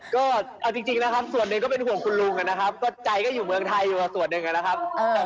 ก็เอาจริงนะครับส่วนหนึ่งก็เป็นห่วงคุณลุงนะครับก็ใจก็อยู่เมืองไทยอยู่ส่วนหนึ่งนะครับ